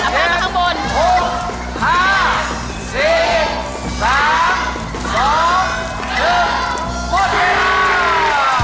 ไปหมดมุมเรา